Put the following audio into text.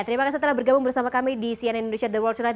terima kasih telah bergabung bersama kami di cnn indonesia the world tonight